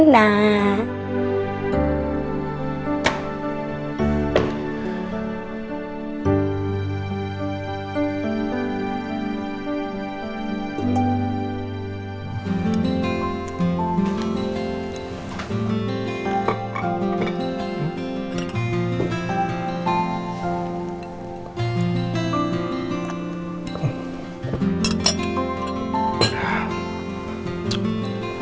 dengan perantara rena